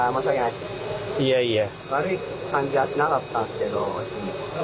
いやいや。